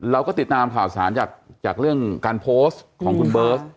เราก็ติดตามข่าวสารจากเรื่องการโพสต์ของคุณเบิร์ต